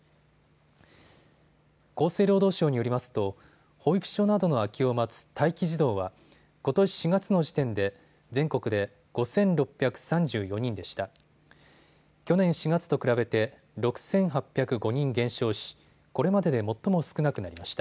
厚生労働省によりますと保育所などの空きを待つ待機児童はことし４月の時点で全国で５６３４人でした。